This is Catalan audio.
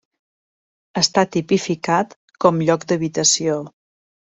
Està tipificat com lloc d'habitació.